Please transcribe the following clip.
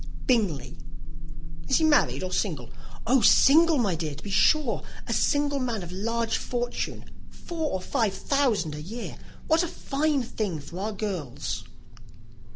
"Bingley." "Is he married or single?" "Oh, single, my dear, to be sure! A single man of large fortune; four or five thousand a year. What a fine thing for our girls!"